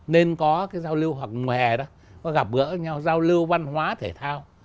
nên có cái giao lưu hoặc ngoài đó gặp gỡ nhau giao lưu văn hóa thể thao